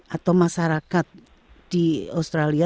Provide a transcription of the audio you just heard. atau masyarakat di australia